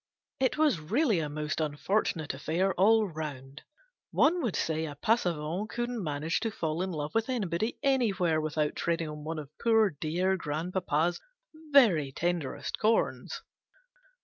It was really a most unfor GENERAL PASSAVANT^S WILL. 315 tunate affair all round: one would say a Passavant couldn't manage to fall in love with anybody anywhere without treading on one of poor dear grandpapa's very tenderest corns.